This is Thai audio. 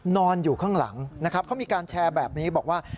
นอนอยู่ข้างหลังนะครับเขามีการแชร์แบบนี้บอกว่า